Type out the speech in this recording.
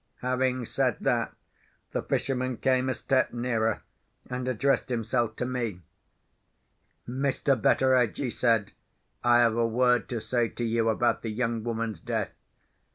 Having said that, the fisherman came a step nearer, and addressed himself to me. "Mr. Betteredge," he said, "I have a word to say to you about the young woman's death.